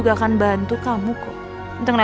beli sembunyi cuma bikin kau ngeri